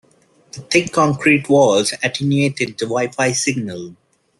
The thick concrete walls attenuated the wi-fi signal.